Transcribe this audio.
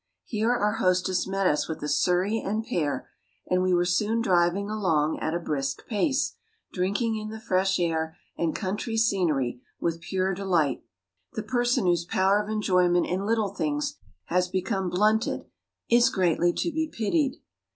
Here our hostess met us with a surrey and pair, and we were soon driving along at a brisk pace, drinking in the fresh air and country scenery with pure delight. The person whose power of enjoyment in little things has become blunted, is greatly to be pitied.